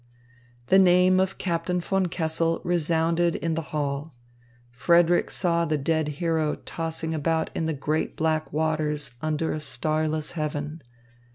The name of Captain von Kessel resounded in the hall. Frederick saw the dead hero tossing about in the great black waters under a starless heaven.